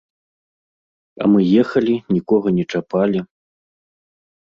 А мы ехалі, нікога не чапалі.